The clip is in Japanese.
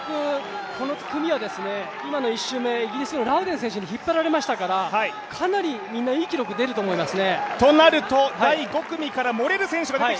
この記録この組は今の１周目イギリスのラウデン選手に引っ張られましたからかなりみんな、いい記録出ると思います。